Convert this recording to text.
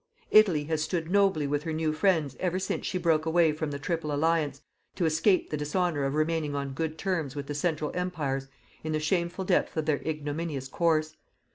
Italy has stood nobly with her new friends ever since she broke away from the Triple Alliance, to escape the dishonour of remaining on good terms with the Central Empires in the shameful depth of their ignominious course.